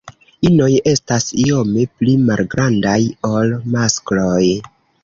Inoj estas iome pli malgrandaj ol maskloj.